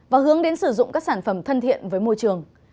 và hướng đến sử dụng các sản phẩm thân thiện với môi trường